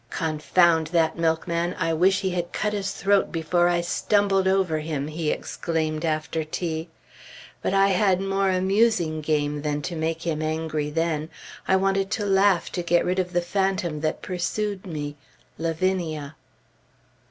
"Confound that milkman! I wish he had cut his throat before I stumbled over him," he exclaimed after tea. But I had more amusing game than to make him angry then; I wanted to laugh to get rid of the phantom that pursued me, Lavinia.